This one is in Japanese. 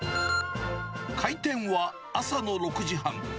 開店は朝の６時半。